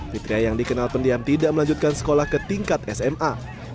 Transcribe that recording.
fitria yang dikenal pendiam tidak melanjutkan sekolah ke tingkat sma